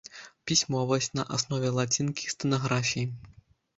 Пісьмовасць на аснове лацінкі і стэнаграфіі.